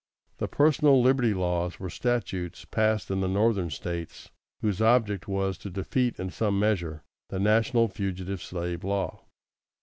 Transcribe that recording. = The personal liberty laws were statutes passed in the Northern States whose object was to defeat in some measure the national Fugitive Slave Law.